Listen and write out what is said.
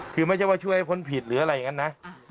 คือไม่ใช่ว่าช่วยคนผิดหรืออะไรอย่างนั้นนะ